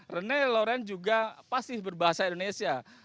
rene lawrence juga pasti berbahasa indonesia